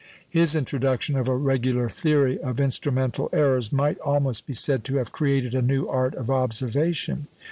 His introduction of a regular theory of instrumental errors might almost be said to have created a new art of observation.